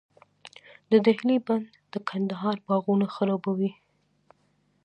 د دهلې بند د کندهار باغونه خړوبوي.